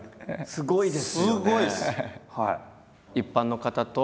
すごいです！